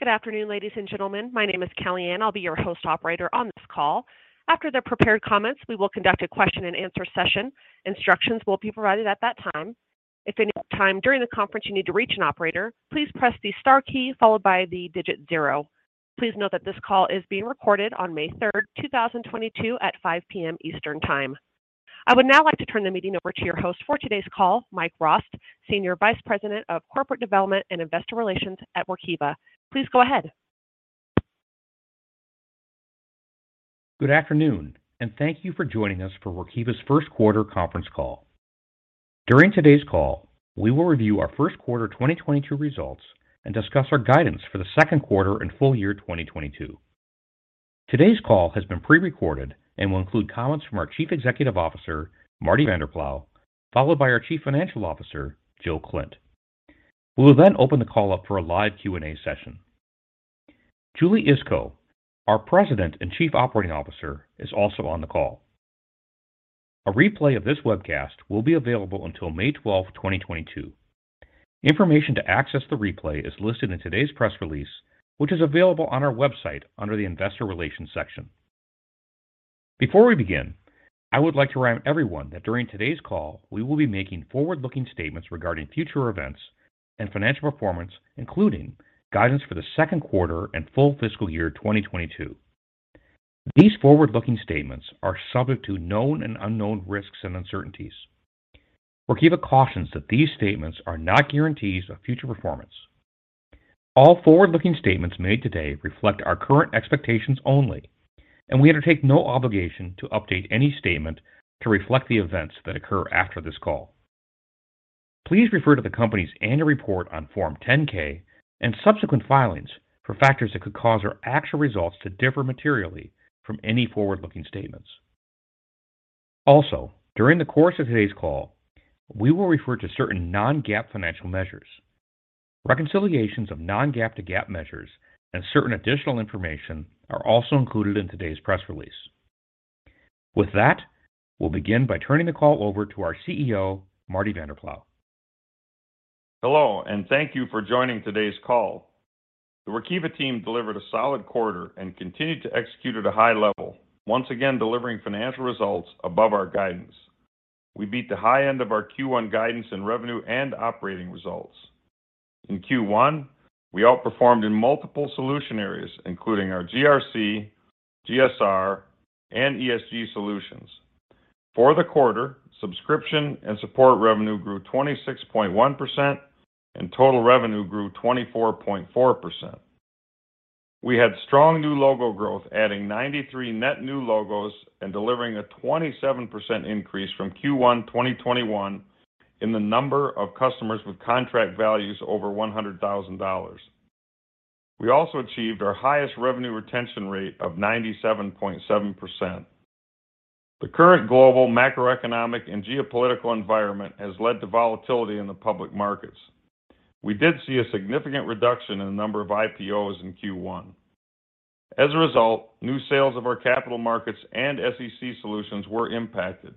Good afternoon, ladies and gentlemen. My name is Kelly Ann. I'll be your host operator on this call. After the prepared comments, we will conduct a question and answer session. Instructions will be provided at that time. If at any time during the conference you need to reach an operator, please press the star key followed by the digit zero. Please note that this call is being recorded on May third, two thousand twenty-two at 5:00 P.M. Eastern Time. I would now like to turn the meeting over to your host for today's call, Mike Rost, Senior Vice President of Corporate Development and Investor Relations at Workiva. Please go ahead. Good afternoon, and thank you for joining us for Workiva's first quarter conference call. During today's call, we will review our first quarter 2022 results and discuss our guidance for the second quarter and full year 2022. Today's call has been pre-recorded and will include comments from our Chief Executive Officer, Martin Vanderploeg, followed by our Chief Financial Officer, Jill Klindt. We will then open the call up for a live Q&A session. Julie Iskow, our President and Chief Operating Officer, is also on the call. A replay of this webcast will be available until May 12, 2022. Information to access the replay is listed in today's press release, which is available on our website under the Investor Relations section. Before we begin, I would like to remind everyone that during today's call, we will be making forward-looking statements regarding future events and financial performance, including guidance for the second quarter and full fiscal year 2022. These forward-looking statements are subject to known and unknown risks and uncertainties. Workiva cautions that these statements are not guarantees of future performance. All forward-looking statements made today reflect our current expectations only, and we undertake no obligation to update any statement to reflect the events that occur after this call. Please refer to the company's annual report on Form 10-K and subsequent filings for factors that could cause our actual results to differ materially from any forward-looking statements. Also, during the course of today's call, we will refer to certain non-GAAP financial measures. Reconciliations of non-GAAP to GAAP measures and certain additional information are also included in today's press release. With that, we'll begin by turning the call over to our CEO, Marty Vanderploeg. Hello, and thank you for joining today's call. The Workiva team delivered a solid quarter and continued to execute at a high level, once again delivering financial results above our guidance. We beat the high end of our Q1 guidance in revenue and operating results. In Q1, we outperformed in multiple solution areas, including our GRC, GSR, and ESG solutions. For the quarter, subscription and support revenue grew 26.1%, and total revenue grew 24.4%. We had strong new logo growth, adding 93 net new logos and delivering a 27% increase from Q1 2021 in the number of customers with contract values over $100,000. We also achieved our highest revenue retention rate of 97.7%. The current global macroeconomic and geopolitical environment has led to volatility in the public markets. We did see a significant reduction in the number of IPOs in Q1. As a result, new sales of our capital markets and SEC solutions were impacted.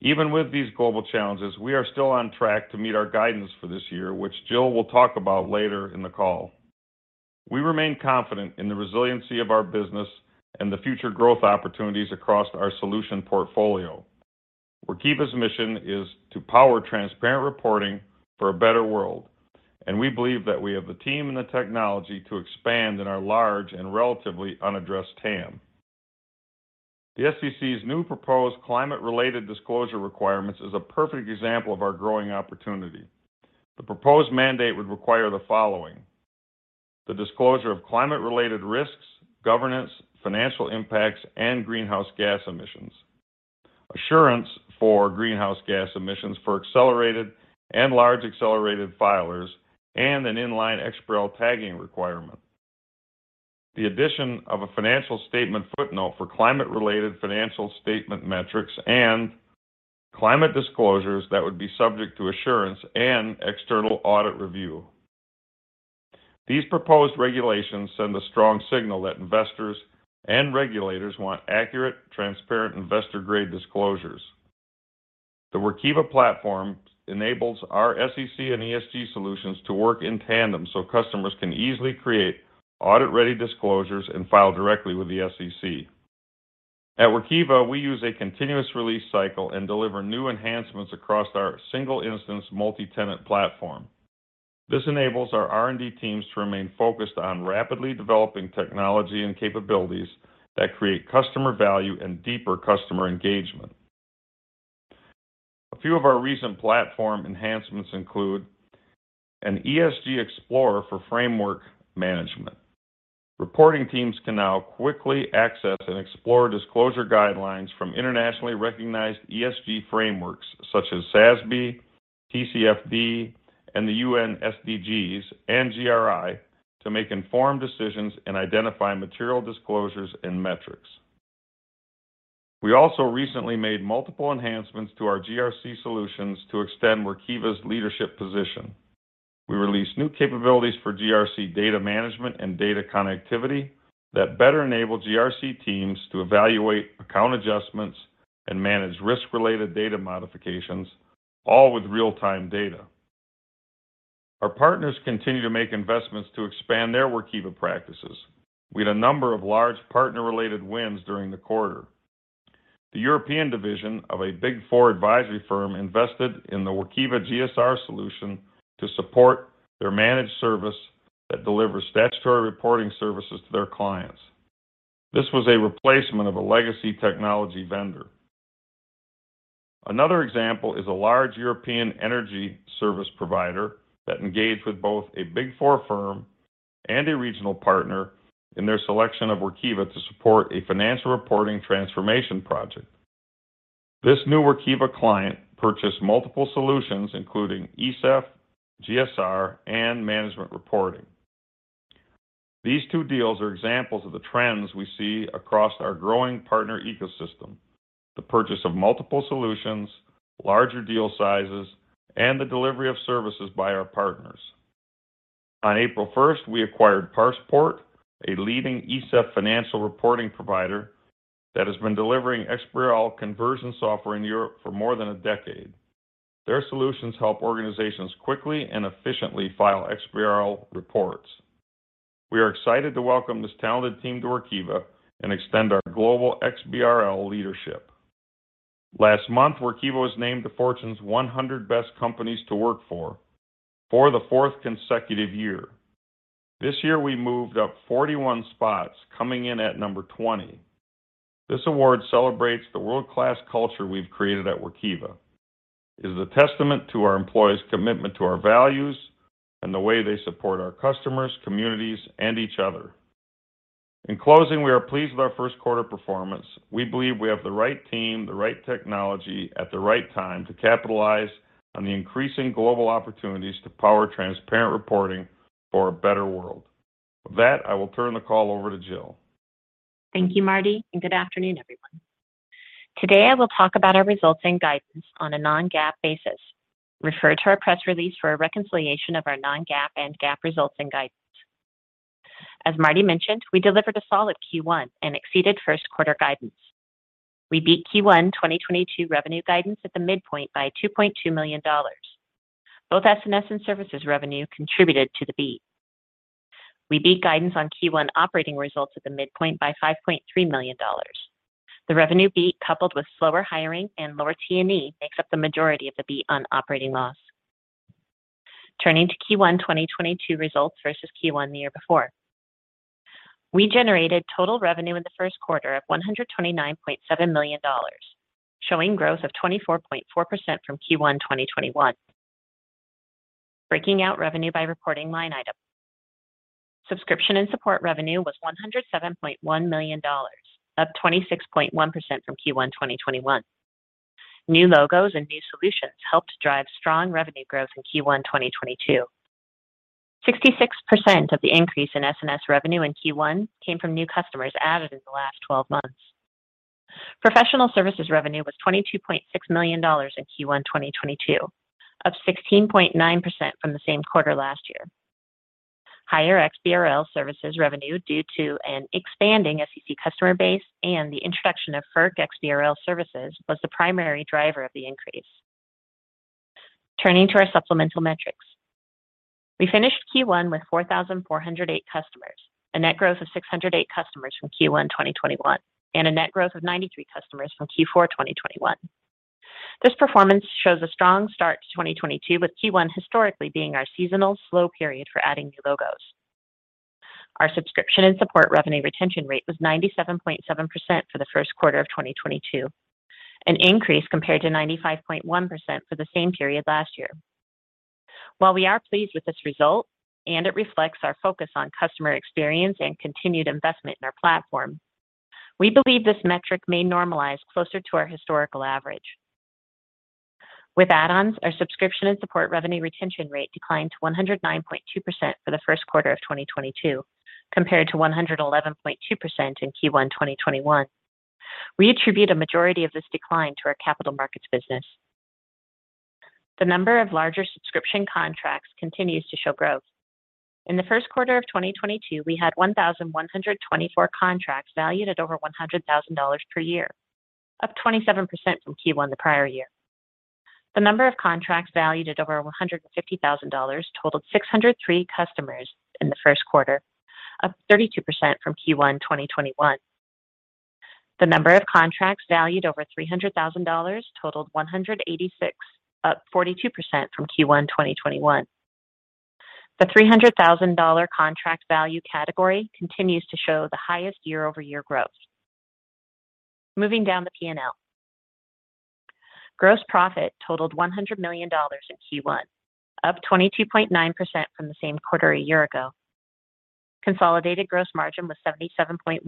Even with these global challenges, we are still on track to meet our guidance for this year, which Jill will talk about later in the call. We remain confident in the resiliency of our business and the future growth opportunities across our solution portfolio. Workiva's mission is to power transparent reporting for a better world, and we believe that we have the team and the technology to expand in our large and relatively unaddressed TAM. The SEC's new proposed climate-related disclosure requirements is a perfect example of our growing opportunity. The proposed mandate would require the following. The disclosure of climate-related risks, governance, financial impacts, and greenhouse gas emissions. Assurance for greenhouse gas emissions for accelerated and large accelerated filers, and an Inline XBRL tagging requirement. The addition of a financial statement footnote for climate-related financial statement metrics and climate disclosures that would be subject to assurance and external audit review. These proposed regulations send a strong signal that investors and regulators want accurate, transparent investor-grade disclosures. The Workiva platform enables our SEC and ESG solutions to work in tandem so customers can easily create audit-ready disclosures and file directly with the SEC. At Workiva, we use a continuous release cycle and deliver new enhancements across our single-instance multi-tenant platform. This enables our R&D teams to remain focused on rapidly developing technology and capabilities that create customer value and deeper customer engagement. A few of our recent platform enhancements include an ESG Explorer for framework management. Reporting teams can now quickly access and explore disclosure guidelines from internationally recognized ESG frameworks such as SASB, TCFD, and the UN SDGs, and GRI to make informed decisions and identify material disclosures and metrics. We also recently made multiple enhancements to our GRC solutions to extend Workiva's leadership position. We released new capabilities for GRC data management and data connectivity that better enable GRC teams to evaluate account adjustments and manage risk-related data modifications. All with real-time data. Our partners continue to make investments to expand their Workiva practices. We had a number of large partner-related wins during the quarter. The European division of a Big Four advisory firm invested in the Workiva GSR solution to support their managed service that delivers statutory reporting services to their clients. This was a replacement of a legacy technology vendor. Another example is a large European energy service provider that engaged with both a Big Four firm and a regional partner in their selection of Workiva to support a financial reporting transformation project. This new Workiva client purchased multiple solutions, including ESEF, GSR, and management reporting. These two deals are examples of the trends we see across our growing partner ecosystem, the purchase of multiple solutions, larger deal sizes, and the delivery of services by our partners. On April 1, we acquired ParsePort, a leading ESEF financial reporting provider that has been delivering XBRL conversion software in Europe for more than a decade. Their solutions help organizations quickly and efficiently file XBRL reports. We are excited to welcome this talented team to Workiva and extend our global XBRL leadership. Last month, Workiva was named to Fortune's 100 Best Companies to Work For for the fourth consecutive year. This year we moved up 41 spots coming in at number 20. This award celebrates the world-class culture we've created at Workiva. It is a testament to our employees' commitment to our values and the way they support our customers, communities, and each other. In closing, we are pleased with our first quarter performance. We believe we have the right team, the right technology at the right time to capitalize on the increasing global opportunities to power transparent reporting for a better world. With that, I will turn the call over to Jill. Thank you, Marty, and good afternoon, everyone. Today, I will talk about our results and guidance on a non-GAAP basis. Refer to our press release for a reconciliation of our non-GAAP and GAAP results and guidance. As Marty mentioned, we delivered a solid Q1 and exceeded first quarter guidance. We beat Q1 2022 revenue guidance at the midpoint by $2.2 million. Both SNS and services revenue contributed to the beat. We beat guidance on Q1 operating results at the midpoint by $5.3 million. The revenue beat, coupled with slower hiring and lower T&E, makes up the majority of the beat on operating loss. Turning to Q1 2022 results versus Q1 the year before. We generated total revenue in the first quarter of $129.7 million, showing growth of 24.4% from Q1 2021. Breaking out revenue by reporting line item. Subscription and support revenue was $107.1 million, up 26.1% from Q1 2021. New logos and new solutions helped drive strong revenue growth in Q1 2022. 66% of the increase in SNS revenue in Q1 came from new customers added in the last 12 months. Professional services revenue was $22.6 million in Q1 2022, up 16.9% from the same quarter last year. Higher XBRL services revenue due to an expanding SEC customer base and the introduction of FERC XBRL services was the primary driver of the increase. Turning to our supplemental metrics. We finished Q1 with 4,408 customers, a net growth of 608 customers from Q1 2021, and a net growth of 93 customers from Q4 2021. This performance shows a strong start to 2022, with Q1 historically being our seasonal slow period for adding new logos. Our subscription and support revenue retention rate was 97.7% for the first quarter of 2022, an increase compared to 95.1% for the same period last year. While we are pleased with this result, and it reflects our focus on customer experience and continued investment in our platform, we believe this metric may normalize closer to our historical average. With add-ons, our subscription and support revenue retention rate declined to 109.2% for the first quarter of 2022, compared to 111.2% in Q1 2021. We attribute a majority of this decline to our capital markets business. The number of larger subscription contracts continues to show growth. In the first quarter of 2022, we had 1,124 contracts valued at over $100,000 per year, up 27% from Q1 the prior year. The number of contracts valued at over $150,000 totaled 603 customers in the first quarter, up 32% from Q1 2021. The number of contracts valued over $300,000 totaled 186, up 42% from Q1 2021. The $300,000 contract value category continues to show the highest year-over-year growth. Moving down the P&L. Gross profit totaled $100 million in Q1, up 22.9% from the same quarter a year ago. Consolidated gross margin was 77.1%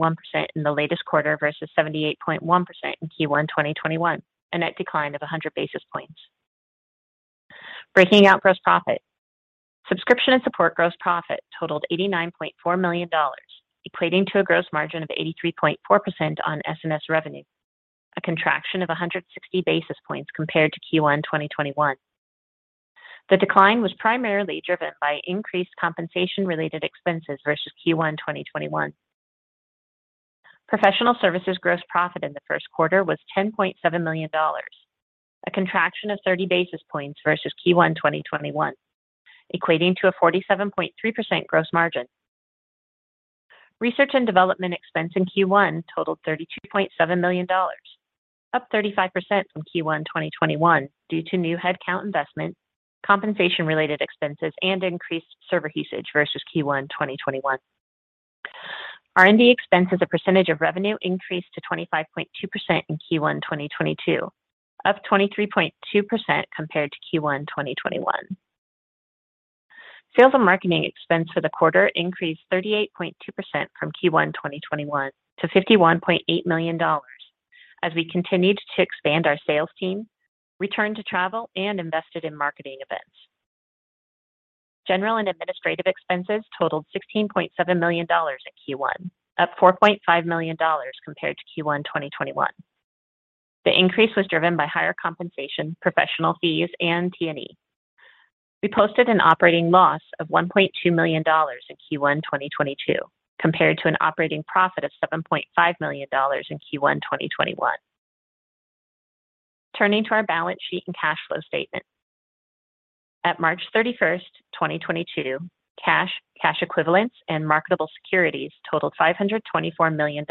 in the latest quarter versus 78.1% in Q1 2021, a net decline of 100 basis points. Breaking out gross profit. Subscription and support gross profit totaled $89.4 million, equating to a gross margin of 83.4% on SNS revenue, a contraction of 160 basis points compared to Q1 2021. The decline was primarily driven by increased compensation related expenses versus Q1 2021. Professional services gross profit in the first quarter was $10.7 million, a contraction of 30 basis points versus Q1 2021, equating to a 47.3% gross margin. Research and development expense in Q1 totaled $32.7 million, up 35% from Q1 2021 due to new headcount investment, compensation related expenses, and increased server usage versus Q1 2021. R&D expense as a percentage of revenue increased to 25.2% in Q1 2022, up 23.2% compared to Q1 2021. Sales and marketing expense for the quarter increased 38.2% from Q1 2021 to $51.8 million as we continued to expand our sales team, returned to travel, and invested in marketing events. General and administrative expenses totaled $16.7 million in Q1, up $4.5 million compared to Q1 2021. The increase was driven by higher compensation, professional fees, and T&E. We posted an operating loss of $1.2 million in Q1 2022 compared to an operating profit of $7.5 million in Q1 2021. Turning to our balance sheet and cash flow statement. At March 31, 2022, cash equivalents, and marketable securities totaled $524 million,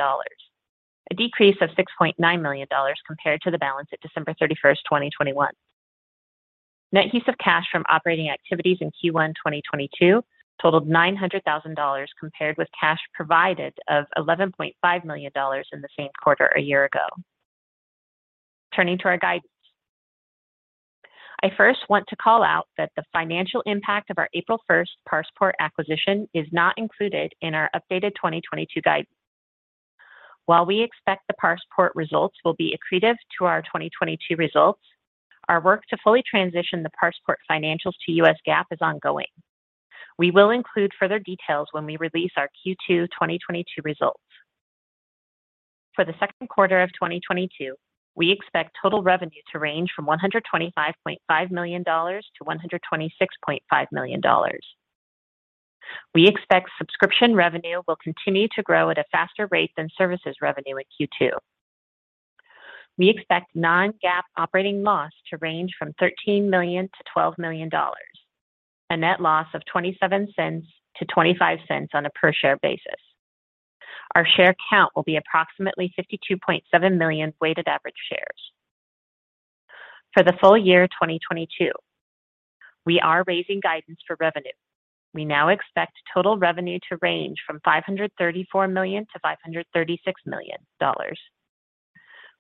a decrease of $6.9 million compared to the balance at December 31, 2021. Net cash used in operating activities in Q1 2022 totaled $900,000 compared with cash provided of $11.5 million in the same quarter a year ago. Turning to our guidance. I first want to call out that the financial impact of our April first ParsePort acquisition is not included in our updated 2022 guidance. While we expect the ParsePort results will be accretive to our 2022 results, our work to fully transition the ParsePort financials to U.S. GAAP is ongoing. We will include further details when we release our Q2 2022 results. For the second quarter of 2022, we expect total revenue to range from $125.5 million to $126.5 million. We expect subscription revenue will continue to grow at a faster rate than services revenue in Q2. We expect non-GAAP operating loss to range from $13 million-$12 million, a net loss of 0.27-0.25 on a per share basis. Our share count will be approximately 52.7 million weighted average shares. For the full year 2022, we are raising guidance for revenue. We now expect total revenue to range from $534 million-$536 million.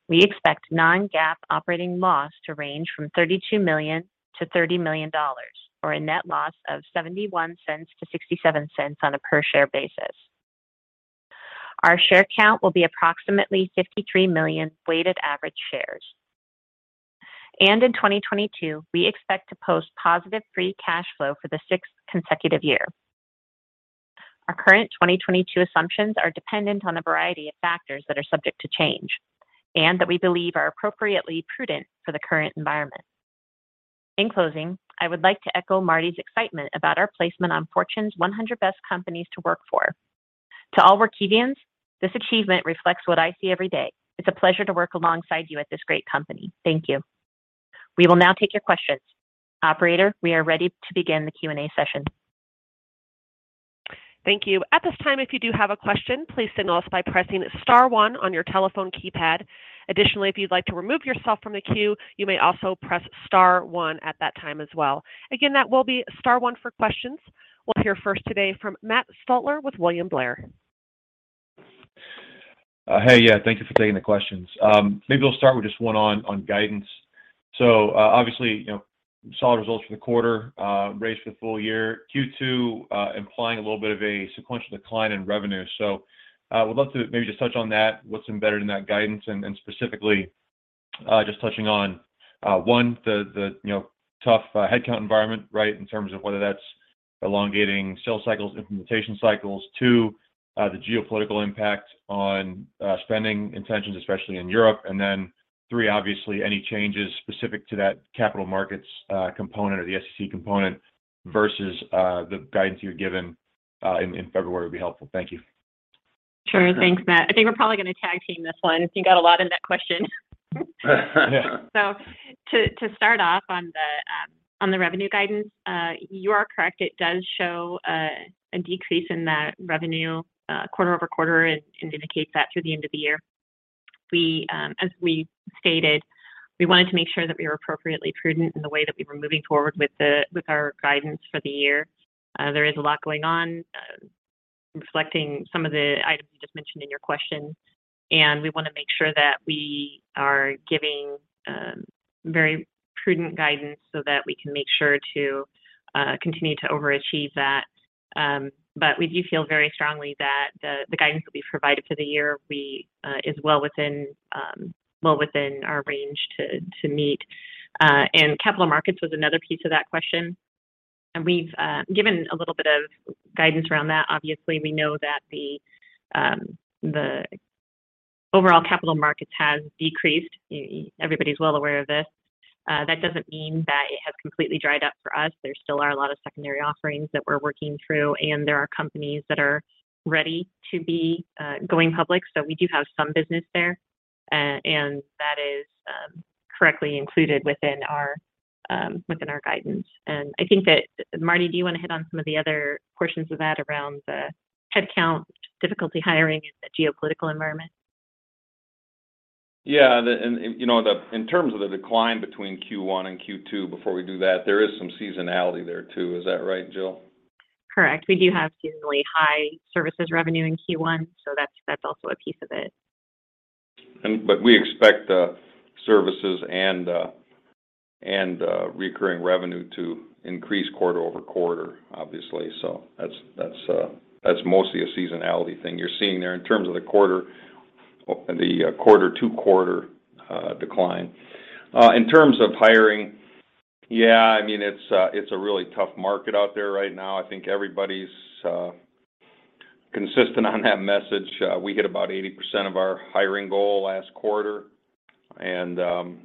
We expect non-GAAP operating loss to range from $32 million-$30 million, or a net loss of 0.71-0.67 on a per share basis. Our share count will be approximately 53 million weighted average shares. In 2022, we expect to post positive free cash flow for the sixth consecutive year. Our current 2022 assumptions are dependent on a variety of factors that are subject to change and that we believe are appropriately prudent for the current environment. In closing, I would like to echo Marty's excitement about our placement on Fortune's 100 Best Companies to Work For. To all Workivians, this achievement reflects what I see every day. It's a pleasure to work alongside you at this great company. Thank you. We will now take your questions. Operator, we are ready to begin the Q&A session. Thank you. At this time, if you do have a question, please signal us by pressing star one on your telephone keypad. Additionally, if you'd like to remove yourself from the queue, you may also press star one at that time as well. Again, that will be star one for questions. We'll hear first today from Matt Stotler with William Blair. Thank you for taking the questions. Maybe we'll start with just one on guidance. Obviously, you know, solid results for the quarter, raise for the full year. Q2 implying a little bit of a sequential decline in revenue. Would love to maybe just touch on that, what's embedded in that guidance, and specifically, just touching on one, the you know, tough headcount environment, right, in terms of whether that's elongating sales cycles, implementation cycles. Two, the geopolitical impact on spending intentions, especially in Europe. Then three, obviously any changes specific to that capital markets component or the SEC component versus the guidance you had given in February would be helpful. Thank you. Sure. Thanks, Matt. I think we're probably gonna tag team this one. You got a lot in that question. Yeah. To start off on the revenue guidance, you are correct. It does show a decrease in that revenue quarter-over-quarter and indicates that through the end of the year. As we stated, we wanted to make sure that we were appropriately prudent in the way that we were moving forward with our guidance for the year. There is a lot going on, reflecting some of the items you just mentioned in your question, and we wanna make sure that we are giving very prudent guidance so that we can make sure to continue to overachieve that. We do feel very strongly that the guidance that we've provided for the year is well within our range to meet. Capital markets was another piece of that question, and we've given a little bit of guidance around that. Obviously, we know that the overall capital markets has decreased. Everybody's well aware of this. That doesn't mean that it has completely dried up for us. There still are a lot of secondary offerings that we're working through, and there are companies that are ready to be going public. We do have some business there, and that is correctly included within our guidance. I think that Marty, do you want to hit on some of the other portions of that around the headcount, difficulty hiring, and the geopolitical environment? Yeah. You know, in terms of the decline between Q1 and Q2, before we do that, there is some seasonality there too. Is that right, Jill? Correct. We do have seasonally high services revenue in Q1, so that's also a piece of it. We expect services and recurring revenue to increase quarter-over-quarter, obviously. That's mostly a seasonality thing you're seeing there in terms of the quarter-over-quarter decline. In terms of hiring, yeah, I mean, it's a really tough market out there right now. I think everybody's consistent on that message. We hit about 80% of our hiring goal last quarter, and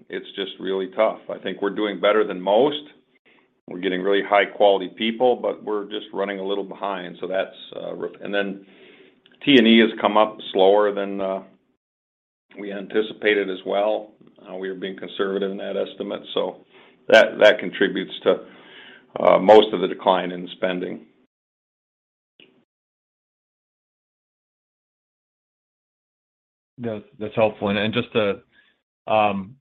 it's just really tough. I think we're doing better than most. We're getting really high quality people, but we're just running a little behind. T&E has come up slower than we anticipated as well. We are being conservative in that estimate, so that contributes to most of the decline in spending. That's helpful. Just to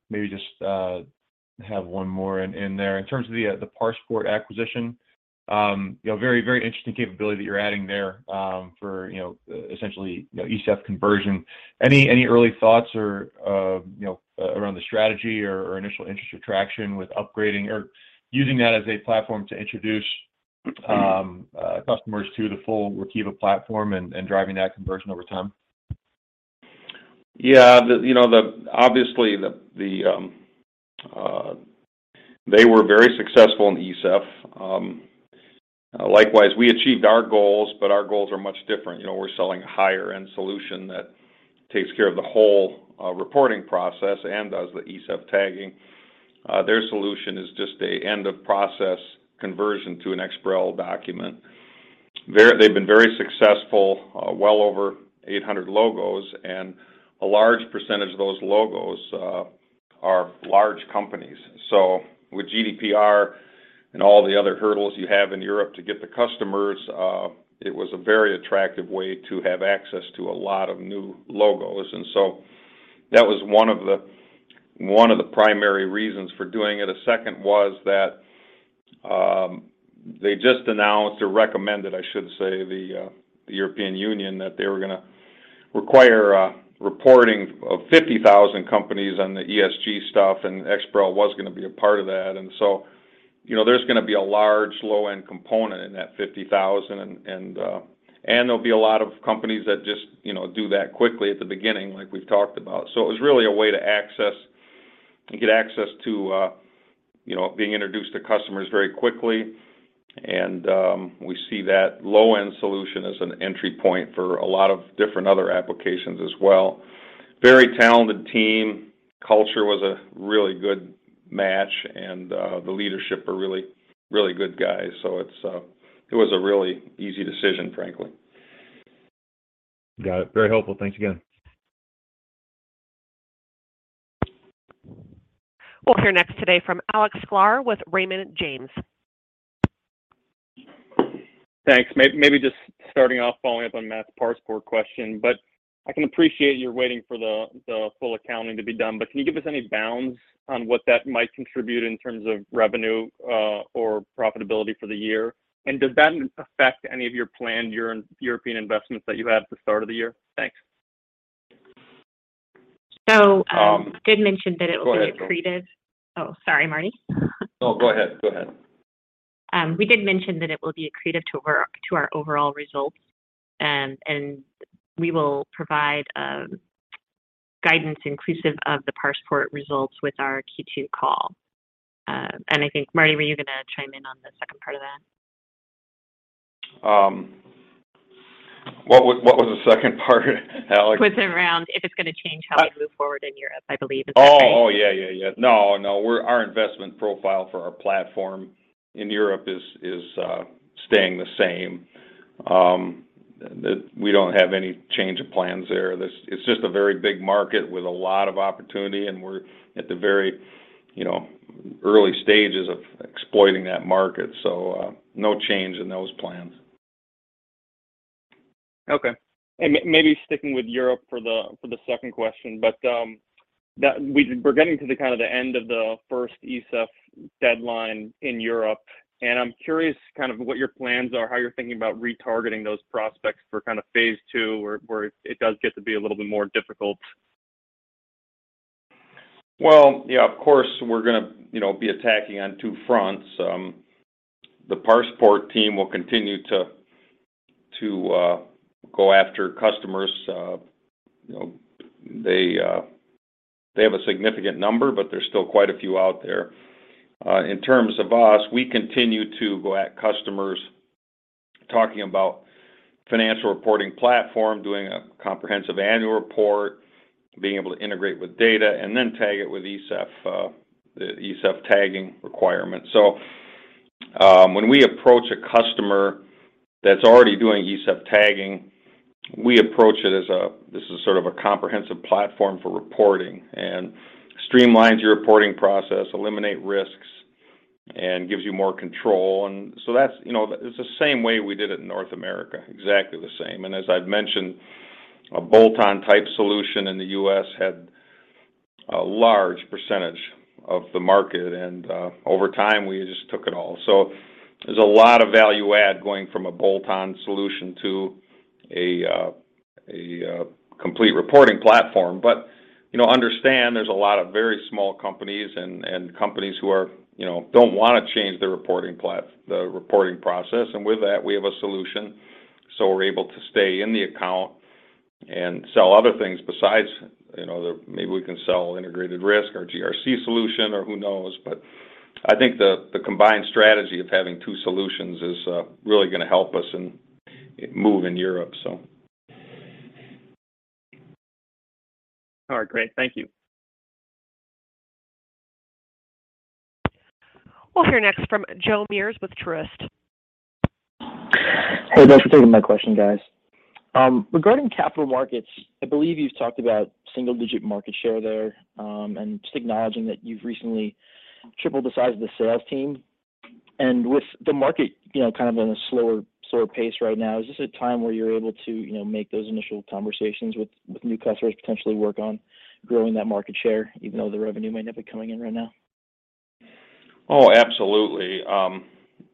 maybe just have one more in there. In terms of the ParsePort acquisition, you know, very interesting capability that you're adding there, for you know essentially you know ESEF conversion. Any early thoughts or you know around the strategy or initial interest or traction with upgrading or using that as a platform to introduce customers to the full Workiva platform and driving that conversion over time? Yeah. Obviously, they were very successful in ESEF. Likewise, we achieved our goals, but our goals are much different. You know, we're selling a higher end solution that takes care of the whole reporting process and does the ESEF tagging. Their solution is just an end of process conversion to an XBRL document. They've been very successful, well over 800 logos, and a large percentage of those logos are large companies. So with GDPR and all the other hurdles you have in Europe to get the customers, it was a very attractive way to have access to a lot of new logos, and so that was one of the primary reasons for doing it. A second was that, they just announced or recommended, I should say, the European Union that they were gonna require a reporting of 50,000 companies on the ESG stuff, and XBRL was gonna be a part of that. You know, there's gonna be a large low-end component in that 50,000 and there'll be a lot of companies that just, you know, do that quickly at the beginning like we've talked about. It was really a way to get access to, you know, being introduced to customers very quickly. We see that low-end solution as an entry point for a lot of different other applications as well. Very talented team. Culture was a really good match, and the leadership are really, really good guys. It was a really easy decision, frankly. Got it. Very helpful. Thanks again. We'll hear next today from Alex Sklar with Raymond James. Thanks. Maybe just starting off following up on Matt's ParsePort question, but I can appreciate you're waiting for the full accounting to be done, but can you give us any bounds on what that might contribute in terms of revenue or profitability for the year? Does that affect any of your planned European investments that you had at the start of the year? Thanks. So, um- Um- Did mention that it will be accretive. Go ahead, Jill. Oh, sorry, Marty. No, go ahead. Go ahead. We did mention that it will be accretive to our overall results, and we will provide guidance inclusive of the ParsePort results with our Q2 call. I think, Marty, were you gonna chime in on the second part of that? What was the second part, Alex? Was around if it's gonna change how you move forward in Europe, I believe. Is that right? Oh. Yeah. No. Our investment profile for our platform in Europe is staying the same. We don't have any change of plans there. It's just a very big market with a lot of opportunity, and we're at the very, you know, early stages of exploiting that market. No change in those plans. Maybe sticking with Europe for the second question. We're getting to the kind of the end of the first ESEF deadline in Europe, and I'm curious kind of what your plans are, how you're thinking about retargeting those prospects for kind of phase two where it does get to be a little bit more difficult. Well, yeah, of course, we're gonna, you know, be attacking on two fronts. The ParsePort team will continue to go after customers, you know. They have a significant number, but there's still quite a few out there. In terms of us, we continue to go at customers talking about financial reporting platform, doing a comprehensive annual report, being able to integrate with data, and then tag it with ESEF, the ESEF tagging requirement. When we approach a customer that's already doing ESEF tagging, we approach it as this is sort of a comprehensive platform for reporting and streamlines your reporting process, eliminate risks, and gives you more control. That's, you know. It's the same way we did it in North America, exactly the same. As I've mentioned, a bolt-on type solution in the U.S. had a large percentage of the market, and over time, we just took it all. There's a lot of value add going from a bolt-on solution to a complete reporting platform. You know, understand there's a lot of very small companies and companies who are, you know, don't wanna change their reporting process. With that, we have a solution, so we're able to stay in the account and sell other things besides, you know, maybe we can sell integrated risk or GRC solution or who knows. I think the combined strategy of having two solutions is really gonna help us and move in Europe. All right, great. Thank you. We'll hear next from Joe Meares with Truist. Hey, thanks for taking my question, guys. Regarding capital markets, I believe you've talked about single-digit market share there, and just acknowledging that you've recently tripled the size of the sales team. With the market, you know, kind of on a slower pace right now, is this a time where you're able to, you know, make those initial conversations with new customers, potentially work on growing that market share, even though the revenue may not be coming in right now? Oh, absolutely.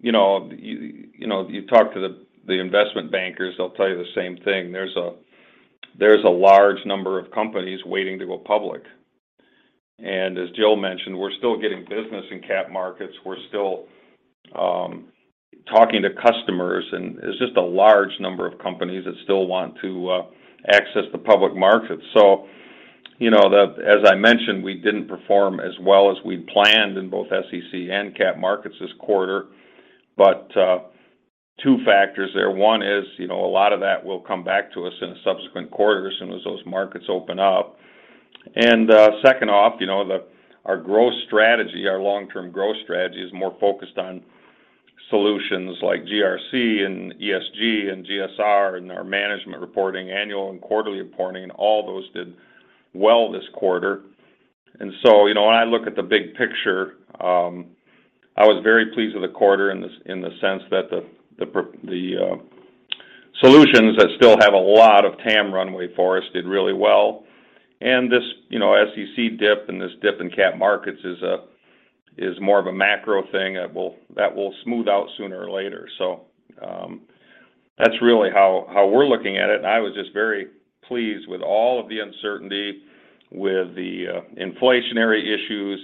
You know, you talk to the investment bankers, they'll tell you the same thing. There's a large number of companies waiting to go public. As Jill mentioned, we're still getting business in capital markets. We're still talking to customers, and it's just a large number of companies that still want to access the public markets. You know, as I mentioned, we didn't perform as well as we'd planned in both SEC and capital markets this quarter, but two factors there. One is, you know, a lot of that will come back to us in subsequent quarters, and as those markets open up. Second off, you know, our growth strategy, our long-term growth strategy is more focused on solutions like GRC and ESG and GSR and our management reporting, annual and quarterly reporting, and all those did well this quarter. You know, when I look at the big picture, I was very pleased with the quarter in the sense that the solutions that still have a lot of TAM runway for us did really well. You know, this SEC dip and this dip in capital markets is more of a macro thing that will smooth out sooner or later. That's really how we're looking at it. I was just very pleased with all of the uncertainty, with the inflationary issues,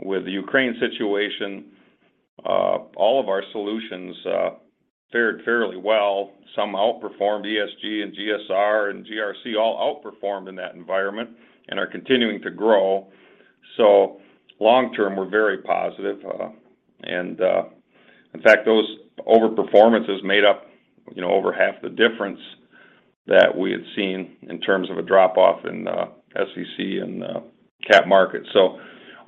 with the Ukraine situation. All of our solutions fared fairly well. Some outperformed ESG, and GSR and GRC all outperformed in that environment and are continuing to grow. Long term, we're very positive. In fact, those overperformances made up, you know, over half the difference that we had seen in terms of a drop off in SEC and capital markets.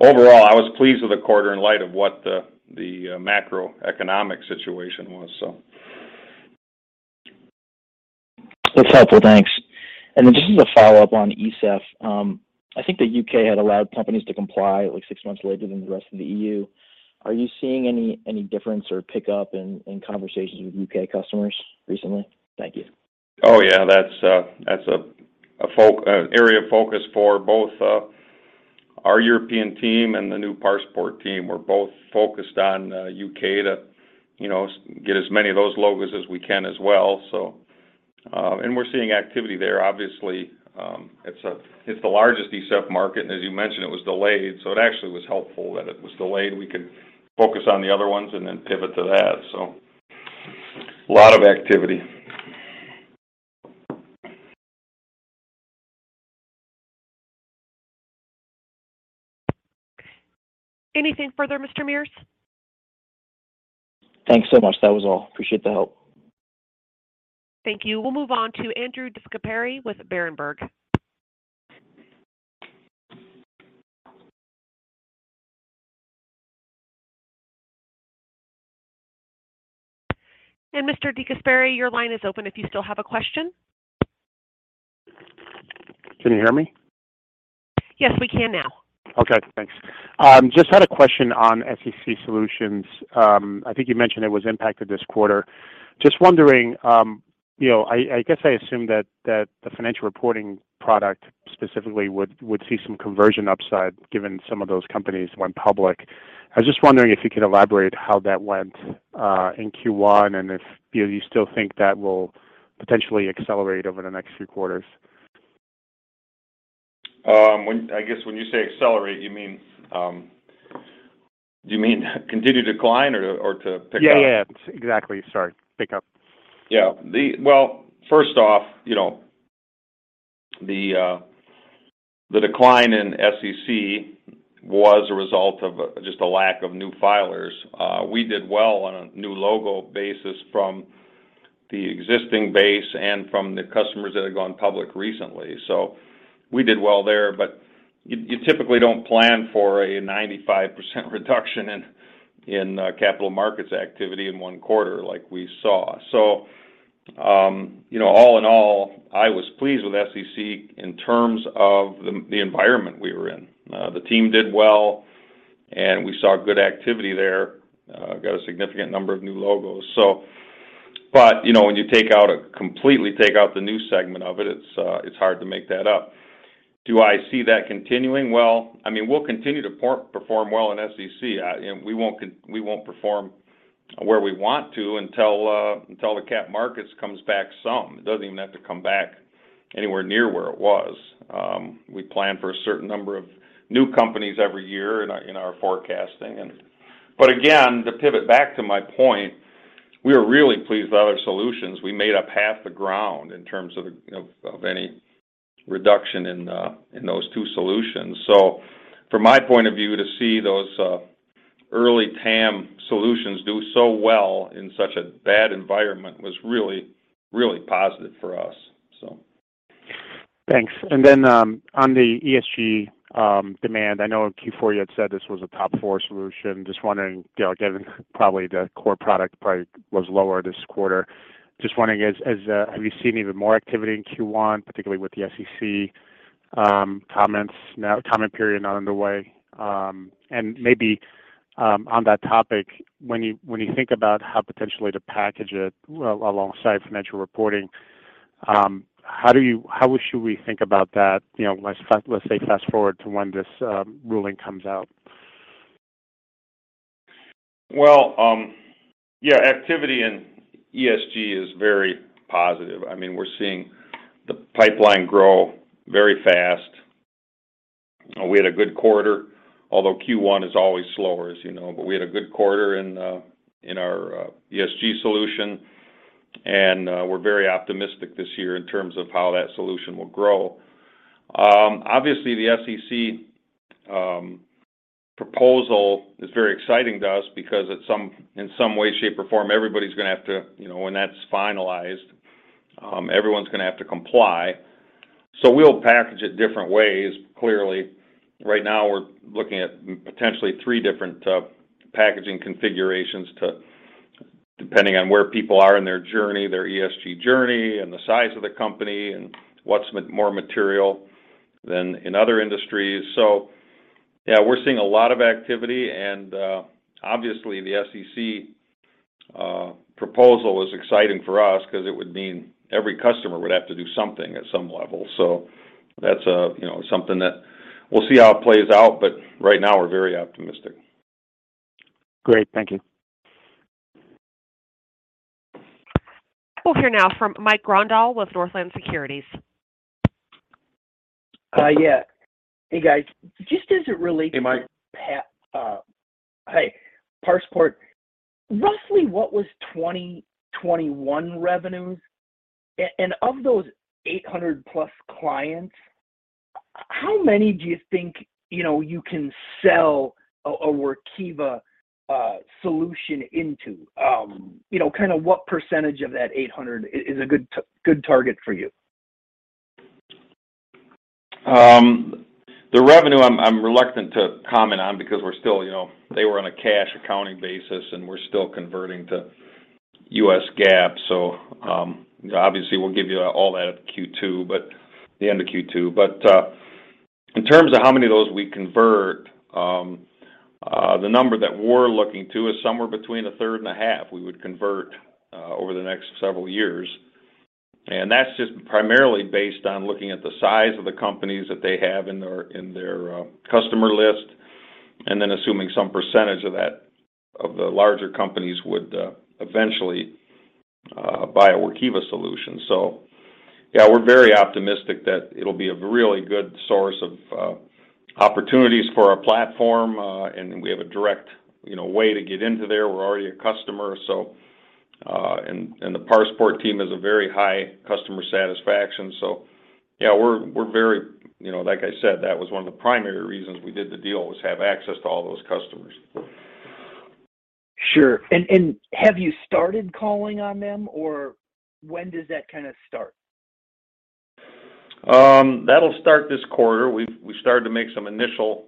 Overall, I was pleased with the quarter in light of what the macroeconomic situation was. That's helpful. Thanks. Then just as a follow-up on ESEF, I think the UK had allowed companies to comply like six months later than the rest of the EU. Are you seeing any difference or pickup in conversations with U.K. Customers recently? Thank you. Yeah. That's an area of focus for both our European team and the new ParsePort team. We're both focused on U.K. too, you know, get as many of those logos as we can as well. We're seeing activity there. Obviously, it's the largest ESEF market, and as you mentioned, it was delayed, so it actually was helpful that it was delayed. We could focus on the other ones and then pivot to that. Lot of activity. Anything further, Mr. Meares? Thanks so much. That was all. Appreciate the help. Thank you. We'll move on to Andrew DeGasperi with Berenberg. Mr. DeGasperi, your line is open if you still have a question. Can you hear me? Yes, we can now. Okay, thanks. Just had a question on SEC solutions. I think you mentioned it was impacted this quarter. Just wondering, you know, I guess I assume that the Financial Reporting product specifically would see some conversion upside given some of those companies went public. I was just wondering if you could elaborate how that went in Q1, and if you know, you still think that will potentially accelerate over the next few quarters. I guess when you say accelerate, you mean, do you mean continue to decline or to pick up? Yeah, yeah. Exactly. Sorry. Pick up. Yeah. Well, first off, you know, the decline in SEC was a result of just a lack of new filers. We did well on a new logo basis from the existing base and from the customers that have gone public recently. We did well there, but you typically don't plan for a 95% reduction in capital markets activity in one quarter like we saw. You know, all in all, I was pleased with SEC in terms of the environment we were in. The team did well, and we saw good activity there. Got a significant number of new logos. You know, when you completely take out the new segment of it's hard to make that up. Do I see that continuing? Well, I mean, we'll continue to perform well in SEC. We won't perform where we want to until the capital markets comes back some. It doesn't even have to come back anywhere near where it was. We plan for a certain number of new companies every year in our forecasting. But again, to pivot back to my point, we are really pleased with other solutions. We made up half the ground in terms of any reduction in those two solutions. From my point of view, to see those ESG solutions do so well in such a bad environment was really, really positive for us. Thanks. Then, on the ESG demand, I know in Q4 you had said this was a top four solution. Just wondering, you know, given probably the core product probably was lower this quarter. Just wondering, have you seen even more activity in Q1, particularly with the SEC comment period now underway? Maybe, on that topic, when you think about how potentially to package it alongside financial reporting, how should we think about that? You know, let's say fast-forward to when this ruling comes out. Well, yeah, activity in ESG is very positive. I mean, we're seeing the pipeline grow very fast. We had a good quarter, although Q1 is always slower, as you know. We had a good quarter in our ESG solution, and we're very optimistic this year in terms of how that solution will grow. Obviously the SEC proposal is very exciting to us because in some way, shape, or form, everybody's gonna have to. You know, when that's finalized, everyone's gonna have to comply. We'll package it different ways, clearly. Right now, we're looking at potentially three different packaging configurations depending on where people are in their journey, their ESG journey, and the size of the company, and what's more material than in other industries. Yeah, we're seeing a lot of activity, and obviously, the SEC proposal is exciting for us 'cause it would mean every customer would have to do something at some level. That's, you know, something that we'll see how it plays out, but right now we're very optimistic. Great. Thank you. We'll hear now from Mike Grondahl with Northland Securities. Yeah. Hey, guys. Just as it relates to. Hey, Mike. Hey. ParsePort, roughly what was 2021 revenues? And of those 800+ clients, how many do you think, you know, you can sell a Workiva solution into? You know, kind of what percentage of that 800 is a good target for you? The revenue I'm reluctant to comment on because we're still converting to U.S. GAAP. You know, they were on a cash accounting basis, and we're still converting to US GAAP. Obviously we'll give you all that at Q2, but the end of Q2. In terms of how many of those we convert, the number that we're looking to is somewhere between a third and a half we would convert over the next several years. That's just primarily based on looking at the size of the companies that they have in their customer list, and then assuming some percentage of that, of the larger companies would eventually buy a Workiva solution. Yeah, we're very optimistic that it'll be a really good source of opportunities for our platform, and we have a direct, you know, way to get into there. We're already a customer, so, and the ParsePort team has a very high customer satisfaction. You know, like I said, that was one of the primary reasons we did the deal, was to have access to all those customers. Sure. Have you started calling on them, or when does that kind of start? That'll start this quarter. We started to make some initial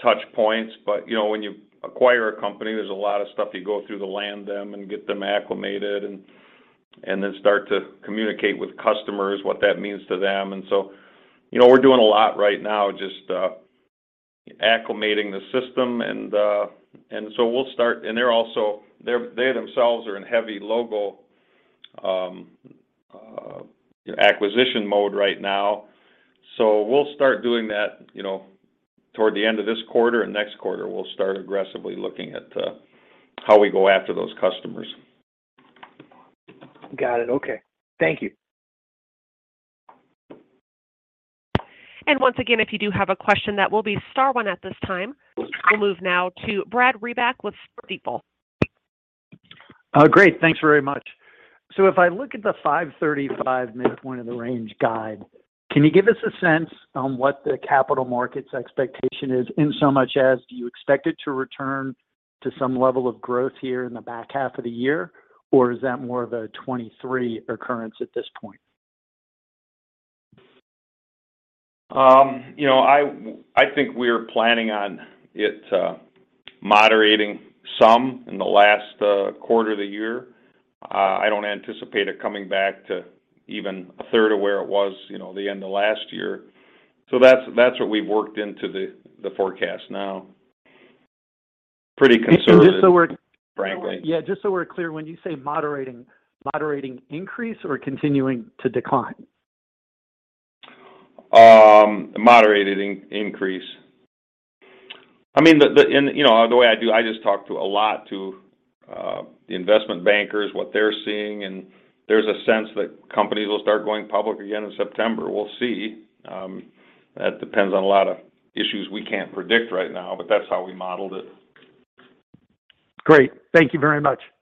touch points, but you know when you acquire a company there's a lot of stuff you go through to land them and get them acclimated and then start to communicate with customers what that means to them. You know we're doing a lot right now just acclimating the system and so we'll start. They themselves are in heavy logo acquisition mode right now. We'll start doing that you know toward the end of this quarter and next quarter we'll start aggressively looking at how we go after those customers. Got it. Okay. Thank you. Once again, if you do have a question, that will be star one at this time. We'll move now to Brad Reback with Stifel. Great. Thanks very much. If I look at the 535 midpoint of the range guide, can you give us a sense on what the capital markets expectation is, insomuch as do you expect it to return to some level of growth here in the back half of the year, or is that more of a 2023 occurrence at this point? You know, I think we're planning on it moderating some in the last quarter of the year. I don't anticipate it coming back to even a third of where it was, you know, the end of last year. That's what we've worked into the forecast. Now, pretty conservative. And just so we're- Frankly. Yeah, just so we're clear, when you say moderating increase or continuing to decline? Moderated increase. I mean, you know, the way I do, I just talk to a lot of the investment bankers, what they're seeing, and there's a sense that companies will start going public again in September. We'll see. That depends on a lot of issues we can't predict right now, but that's how we modeled it. Great. Thank you very much.